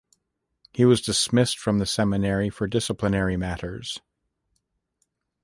He was dismissed from the seminary for disciplinary matters.